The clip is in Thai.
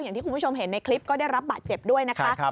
อย่างที่คุณผู้ชมเห็นในคลิปก็ได้รับบาดเจ็บด้วยนะคะ